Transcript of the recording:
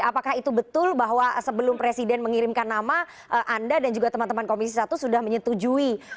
apakah itu betul bahwa sebelum presiden mengirimkan nama anda dan juga teman teman komisi satu sudah menyetujui